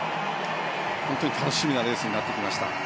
楽しみなレースになってきました。